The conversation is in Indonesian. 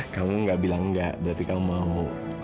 kamu gak bilang enggak berarti kamu mau